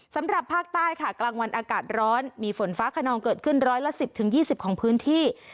สำหรับภาคใต้ค่ะกลางวันอากาศร้อนมีฝนฟ้าขนองเกิดขึ้นร้อยละ๑๐๒๐ของพื้นที่